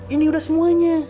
ini udah semuanya